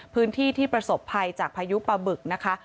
พื้นที่ที่ประสบภัยจากพายุปลาบึกนะคะ